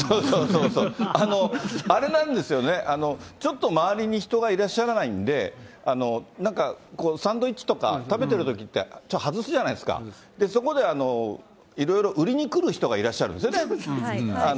あれなんですよね、ちょっと周りに人がいらっしゃらないんで、なんかこう、サンドイッチとか食べてるときって、ちょっと外すじゃないですか、そこでいろいろ売りに来る人がいらっしゃるんですよね。